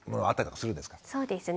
そうですね。